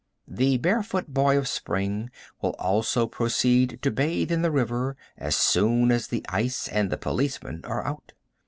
The barefoot boy of spring will also proceed to bathe in the river as soon as the ice and the policeman are out.